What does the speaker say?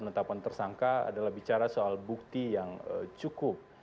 penetapan tersangka adalah bicara soal bukti yang cukup